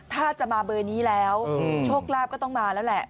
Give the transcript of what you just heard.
ถ้าจะมาเบอร์นี้แล้วโชคลาภก็ต้องมาแล้วแหละ